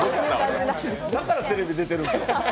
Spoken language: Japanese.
だからテレビ出てるんだ。